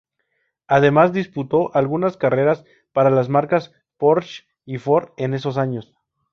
Además, disputó algunas carreras para las marcas Porsche y Ford en esos años.